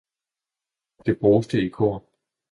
det bruste i kor.